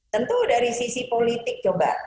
tentu dari sisi politik coba